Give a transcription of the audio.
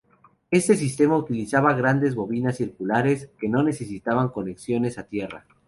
Este sistema utilizaba grandes bobinas circulares que no necesitaban conexiones a tierra.